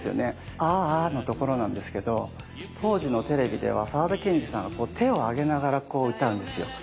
「アア」のところなんですけど当時のテレビでは沢田研二さんがこう手を上げながらこう歌うんですよ。